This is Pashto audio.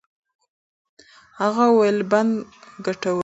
هغه وویل چې بند ګټور دی.